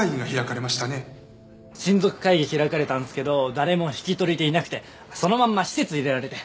親族会議開かれたんですけど誰も引き取り手いなくてそのまんま施設入れられて。